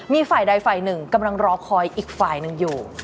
มีฝ่ายใดฝ่ายหนึ่งกำลังรอคอยอีกฝ่ายหนึ่งอยู่